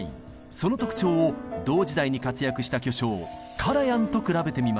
その特徴を同時代に活躍した巨匠カラヤンと比べてみましょう。